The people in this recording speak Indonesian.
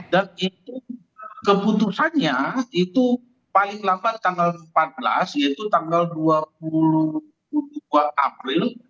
dan itu keputusannya itu paling lambat tanggal empat belas yaitu tanggal dua puluh dua april